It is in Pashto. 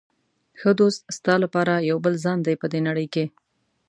ښه دوست ستا لپاره یو بل ځان دی په دې نړۍ کې.